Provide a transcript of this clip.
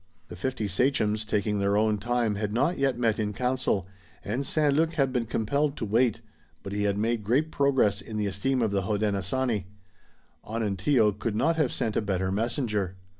The fifty sachems, taking their own time, had not yet met in council, and St. Luc had been compelled to wait, but he had made great progress in the esteem of the Hodenosaunee. Onontio could not have sent a better messenger.